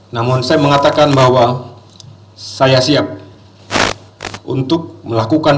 namun saya mengatakan bahwa saya siap untuk melakukan